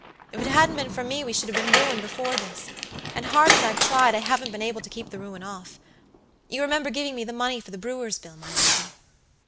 If it hadn't been for me we should have been ruined before this; and hard as I've tried, I haven't been able to keep the ruin off. You remember giving me the money for the brewer's bill, my lady?"